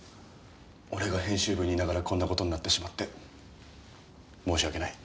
俺が編集部にいながらこんな事になってしまって申し訳ない。